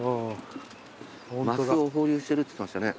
マスを放流してるっつってましたね。